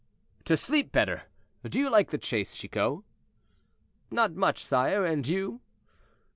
"To sleep better. Do you like the chase, Chicot?" "Not much, sire; and you?"